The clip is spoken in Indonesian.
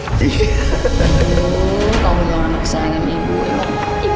aduh kalau belum ada yang kesayangan ibu